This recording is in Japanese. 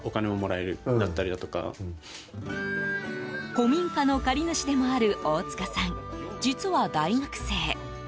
古民家の借り主でもある大塚さん、実は大学生。